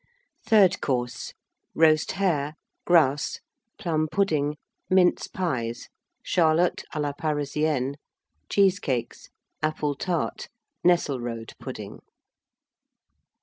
THIRD COURSE. Roast Hare. Grouse. Plum pudding. Mince Pies. Charlotte à la Parisienne. Cheesecakes. Apple Tart. Nesselrode Pudding.